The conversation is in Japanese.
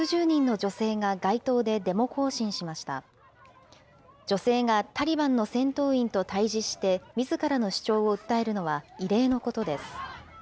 女性がタリバンの戦闘員と対じしてみずからの主張を訴えるのは異例のことです。